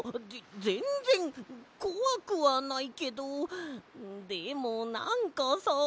ぜんぜんこわくはないけどでもなんかさ。